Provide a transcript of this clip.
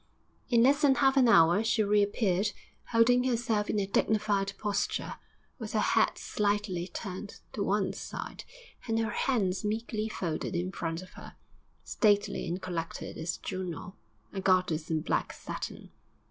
In less than half an hour she reappeared, holding herself in a dignified posture, with her head slightly turned to one side and her hands meekly folded in front of her, stately and collected as Juno, a goddess in black satin.